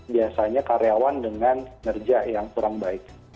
biasanya karyawan dengan nerja yang kurang baik